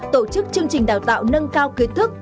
tổ chức chương trình đào tạo nâng cao kiến thức